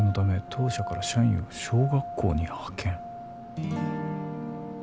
「当社から社員を小学校に派遣」